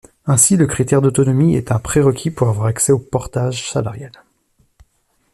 Ainsi, le critère d'autonomie est un prérequis pour avoir accès au portage salarial.